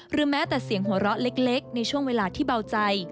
แม้แต่เสียงหัวเราะเล็กในช่วงเวลาที่เบาใจ